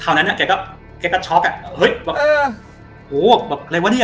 นั้นอ่ะแกก็แกก็ช็อกอ่ะเฮ้ยแบบเออโหแบบอะไรวะเนี่ย